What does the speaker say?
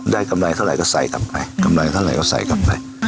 กำไรเท่าไหร่ก็ใส่กลับไปกำไรเท่าไหร่ก็ใส่กลับไป